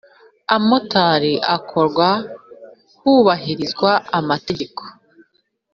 amatora akorwa hubahirizwa amategeko.